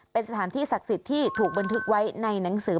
เป็นสถานที่ศักดิ์สิทธิ์ที่ถูกบันทึกไว้ในหนังสือ